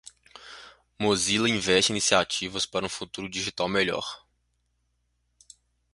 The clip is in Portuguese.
Mozilla investe em iniciativas para um futuro digital melhor.